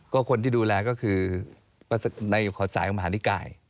ก็คนที่ดูแลก็คือในขอสายของมหานิกาย